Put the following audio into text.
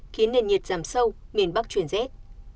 khiến nền nhiệt giảm sâu miền bắc chuyển rét